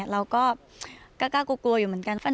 เราก็กล้ากลัวอยู่เหมือนกัน